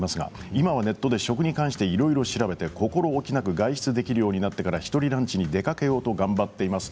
今はネットで食に関していろいろ調べて心おきなく外食できるようになってから１人ランチへ出かけようと頑張っています。